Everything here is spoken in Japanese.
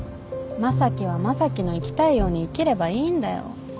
正樹は正樹の生きたいように生きればいいんだよ